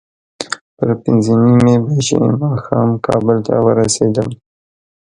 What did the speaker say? پر پینځه نیمې بجې ماښام کابل ته ورسېدم.